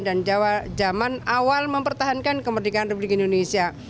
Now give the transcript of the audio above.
dan zaman awal mempertahankan kemerdekaan republik indonesia